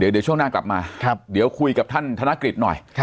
เดี๋ยวช่วงหน้ากลับมาเดี๋ยวคุยกับท่านธนกฤษหน่อย